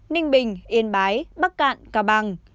ninh bình yên bái bắc cạn cao bằng